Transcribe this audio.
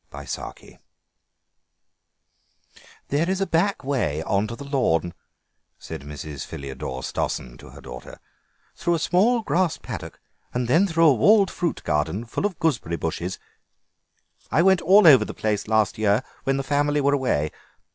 THE BOAR PIG "There is a back way on to the lawn," said Mrs. Philidore Stossen to her daughter, "through a small grass paddock and then through a walled fruit garden full of gooseberry bushes. I went all over the place last year when the family were away.